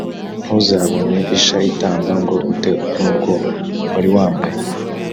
Ntuzabone isha itamba ngo ute nurwo wariwambaye